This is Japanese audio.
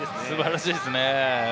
素晴らしいですね。